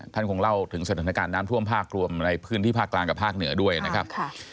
ท่านคงเล่าถึงสถานการณ์น้ำท่วมภาครวมในพื้นที่ภาคกลางกับภาคเหนือด้วยนะครับ